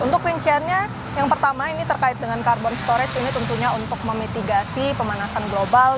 untuk rinciannya yang pertama ini terkait dengan carbon storage ini tentunya untuk memitigasi pemanasan global